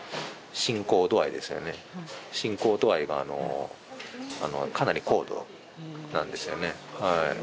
進行度合いがかなり高度なんですよね。